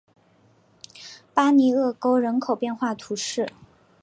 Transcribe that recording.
巴尼厄沟人口变化图示